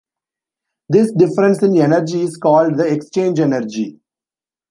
This difference in energy is called the exchange energy.